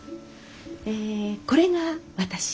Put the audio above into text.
えこれが私。